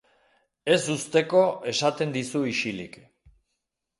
Ez uzteko, esaten dizu ixilik.